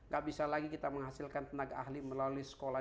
gak bisa lagi kita menghasilkan tenaga ahli melalui sekolah